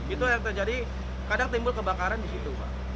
itu yang terjadi kadang timbul kebakaran di situ